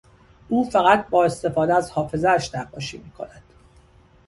او فقط با استفاده از حافظهاش نقاشی می کند.